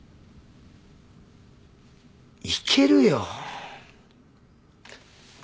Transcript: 行けるよ。